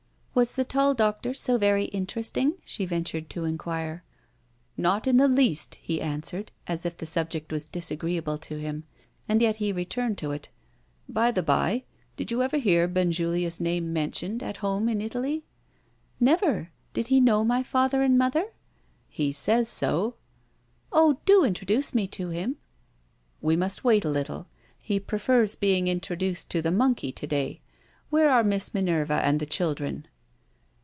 "Was the tall doctor so very interesting?" she ventured to inquire. "Not in the least!" He answered as if the subject was disagreeable to him and yet he returned to it. "By the by, did you ever hear Benjulia's name mentioned, at home in Italy?" "Never! Did he know my father and mother?" "He says so." "Oh, do introduce me to him!" "We must wait a little. He prefers being introduced to the monkey to day. Where are Miss Minerva and the children?"